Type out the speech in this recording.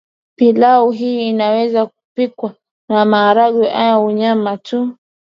Pilau hii inaweza kupikwa na maharage au nyama tu